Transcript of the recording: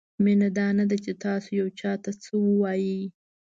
مینه دا نه ده چې تاسو یو چاته څه ووایئ.